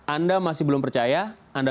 anda masih belum percaya